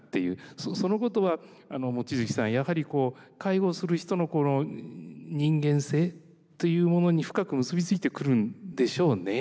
そのことは望月さんやはりこう介護をする人のこの人間性というものに深く結び付いてくるんでしょうね。